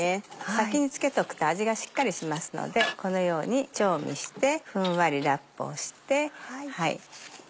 先につけておくと味がしっかりしますのでこのように調味してふんわりラップをして。